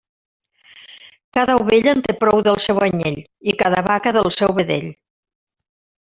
Cada ovella en té prou del seu anyell, i cada vaca del seu vedell.